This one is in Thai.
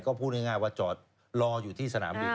ก็พูดง่ายว่าจอดรออยู่ที่สนามบิน